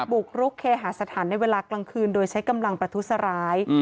บุกรุกเคหาสถานในเวลากลางคืนโดยใช้กำลังประทุษร้าย